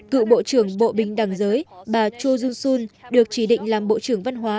cựu bộ trưởng bộ bình đằng giới bà cho jun sun được chỉ định làm bộ trưởng văn hóa